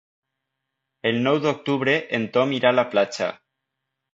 El nou d'octubre en Tom irà a la platja.